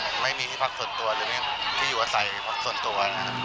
ยังไม่มีที่อยู่อาศัยพักส่วนตัว